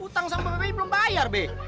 utang sama mbak beng belum bayar beng